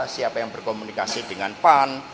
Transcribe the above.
siapa yang berkomunikasi dengan pan